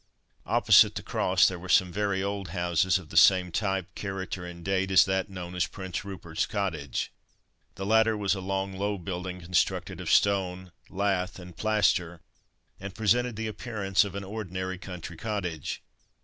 Opposite the Cross there were some very old houses of the same type, character, and date as that known as Prince Rupert's cottage. The latter was a low long building, constructed of stone, lath, and plaster, and presented the appearance of an ordinary country cottage.